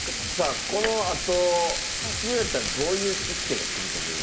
さあこのあと普通やったらどういう一手が来ると思いますか？